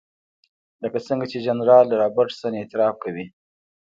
لکه څنګه چې جنرال رابرټس اعتراف کوي.